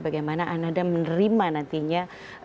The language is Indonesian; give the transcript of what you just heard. bagaimana ananda menerima nantinya